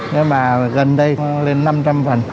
nhưng mà gần đây lên năm trăm linh phần